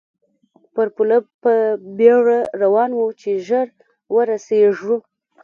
پر پله په بېړه روان وو، چې ژر ورسېږو.